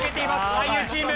俳優チーム。